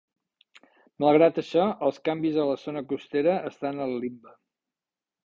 Malgrat això, els canvis a la zona costera estan al limbe.